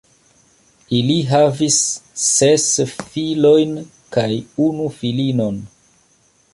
Ili havis ses filojn kaj unu filinon.